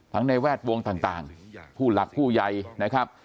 ทั้งในแวดวงต่างผู้หลักผู้ใยนะครับ